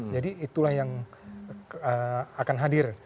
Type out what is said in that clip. jadi itulah yang akan hadir